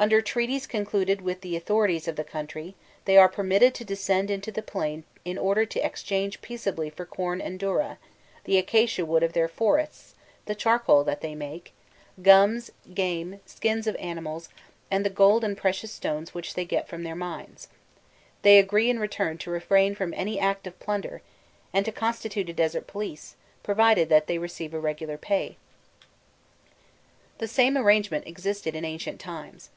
Under treaties concluded with the authorities of the country, they are permitted to descend into the plain in order to exchange peaceably for corn and dourah, the acacia wood of their forests, the charcoal that they make, gums, game, skins of animals, and the gold and precious stones which they get from their mines: they agree in return to refrain from any act of plunder, and to constitute a desert police, provided that they receive a regular pay. [Illustration: 223.jpg MAP OF NUBIA IN THE TIME OF THE MEMPHITE EMPIRE] The same arrangement existed in ancient times.